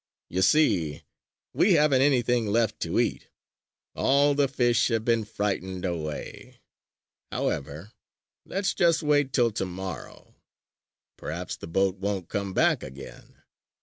"You see: we haven't anything left to eat! All the fish have been frightened away! However let's just wait till tomorrow. Perhaps the boat won't come back again.